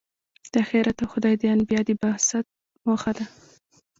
دا آخرت او خدای د انبیا د بعثت موخه ده.